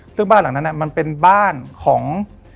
ซึ่งบ้านหลังนั้นมันเป็นบ้านของ